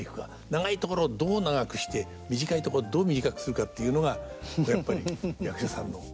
長いところをどう長くして短いとこどう短くするかっていうのがやっぱり役者さんの。